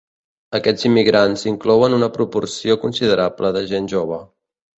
Aquests immigrants inclouen una proporció considerable de gent jove.